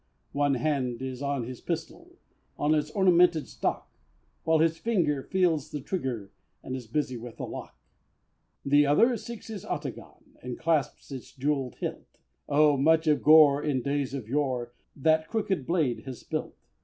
One hand is on his pistol, On its ornamented stock, While his finger feels the trigger And is busy with the lock The other seeks his ataghan, And clasps its jewell'd hilt Oh! much of gore in days of yore That crooked blade has spilt!